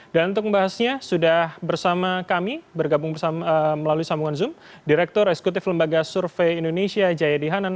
dan untuk membahasnya sudah bersama kami bergabung melalui sambungan zoom direktur eksekutif lembaga survei indonesia jayadi hanan